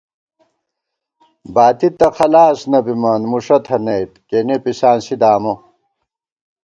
باتی تہ خلاص نہ بِمان ، مُوݭہ تھنَئیت ، کېنے پِسانسی دامہ